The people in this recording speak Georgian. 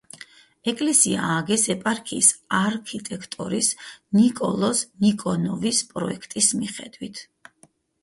ეკლესია ააგეს ეპარქიის არქიტექტორის ნიკოლოზ ნიკონოვის პროექტის მიხედვით.